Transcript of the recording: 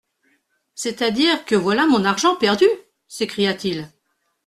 C'est-à-dire que voilà mon argent perdu ! s'écria-t-il.